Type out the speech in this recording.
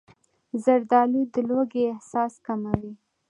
زردالو د لوږې احساس کموي.